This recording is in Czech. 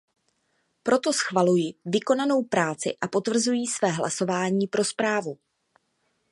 Proto schvaluji vykonanou práci a potvrzuji své hlasování pro zprávu.